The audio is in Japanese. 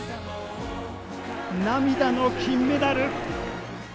涙の金メダル。